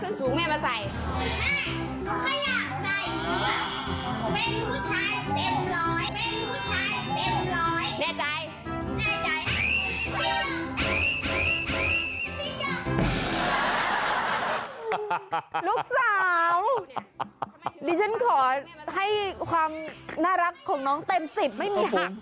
ลูกสาวดิฉันขอให้ความน่ารักของน้องเต็ม๑๐ไม่มีหัก